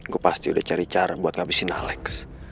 gue pasti udah cari cara buat ngabisin alex